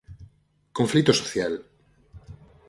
Conflito social.